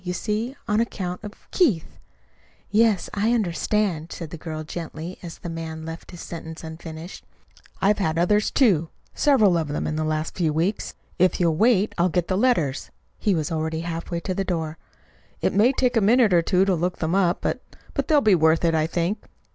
You see, on account of Keith " "Yes, I understand," said the girl gently, as the man left his sentence unfinished. "I've had others, too several of them in the last few weeks. If you'll wait I'll get the letters." He was already halfway to the door. "It may take a minute or two to look them up; but they'll be worth it, I think."